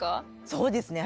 そうですね